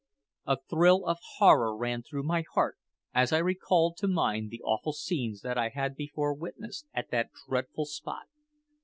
A thrill of horror ran through my heart as I recalled to mind the awful scenes that I had before witnessed at that dreadful spot.